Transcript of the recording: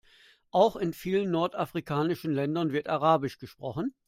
Auch in vielen nordafrikanischen Ländern wird arabisch gesprochen.